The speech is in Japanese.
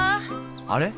あれ？